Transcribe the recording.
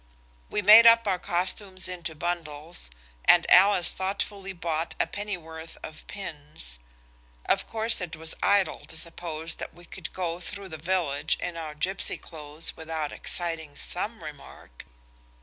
We made up our costumes into bundles, and Alice thoughtfully bought a pennyworth of pins. Of course it was idle to suppose that we could go through the village in our gipsy clothes without exciting some remark.